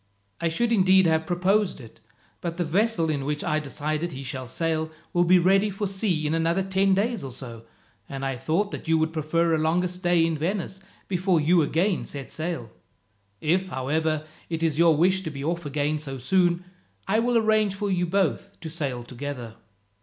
I should indeed have proposed it, but the vessel in which I have decided he shall sail will be ready for sea in another ten days or so, and I thought that you would prefer a longer stay in Venice before you again set sail. If, however, it is your wish to be off again so soon, I will arrange for you both to sail together.